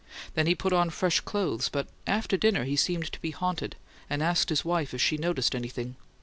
Then he put on fresh clothes; but after dinner he seemed to be haunted, and asked his wife if she "noticed anything."